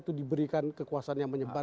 itu diberikan kekuasaan yang menyebar